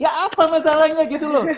gak apa masalahnya gitu loh